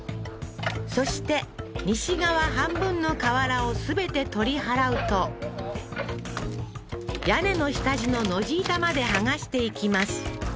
そして西側半分の瓦を全て取り払うと屋根の下地の野地板まで剥がしていきます